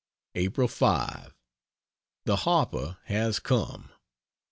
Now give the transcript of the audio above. April 5. The Harper has come.